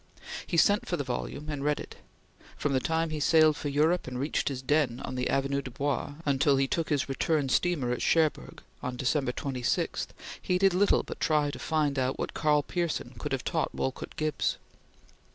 He sent for the volume and read it. From the time he sailed for Europe and reached his den on the Avenue du Bois until he took his return steamer at Cherbourg on December 26, he did little but try to find out what Karl Pearson could have taught Willard Gibbs.